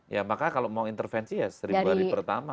ya maka kalau mau intervensi ya seribu hari pertama